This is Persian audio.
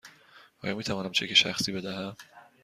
آیا می توانم چک شخصی بدهم؟